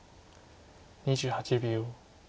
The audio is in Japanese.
２８秒。